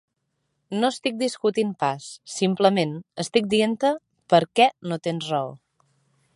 No estic discutint pas; simplement estic dient-te per què no tens raó.